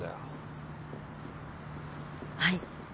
はい？